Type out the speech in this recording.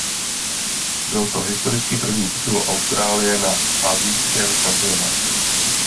Byl to historicky první titul Austrálie na asijském šampionátu.